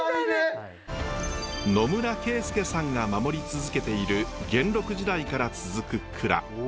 野村圭佑さんが守り続けている元禄時代から続く蔵。